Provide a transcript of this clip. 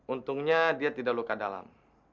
untungnya dia tidak luka dalam